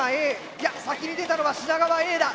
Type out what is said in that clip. いや先に出たのは品川Ａだ。